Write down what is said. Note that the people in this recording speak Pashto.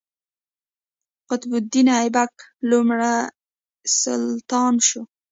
قطب الدین ایبک لومړی سلطان شو.